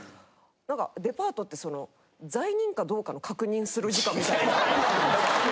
何かデパートってその罪人かどうかの確認する時間みたいな。